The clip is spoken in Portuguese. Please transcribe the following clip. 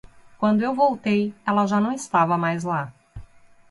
Quando eu voltei ela já não estava mais lá.